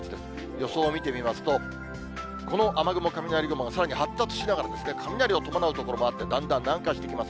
予想を見てみますと、この雨雲、雷雲がさらに発達しながら、雷を伴う所もあって、だんだん南下してきます。